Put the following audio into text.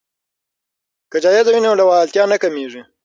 که جایزه وي نو لیوالتیا نه کمیږي.